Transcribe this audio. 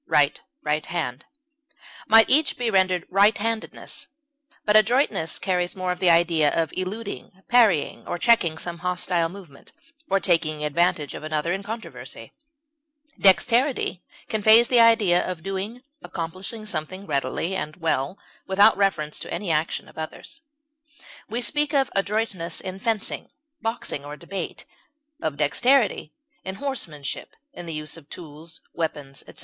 dexter, right, right hand) might each be rendered "right handedness;" but adroitness carries more of the idea of eluding, parrying, or checking some hostile movement, or taking advantage of another in controversy; dexterity conveys the idea of doing, accomplishing something readily and well, without reference to any action of others. We speak of adroitness in fencing, boxing, or debate; of dexterity in horsemanship, in the use of tools, weapons, etc.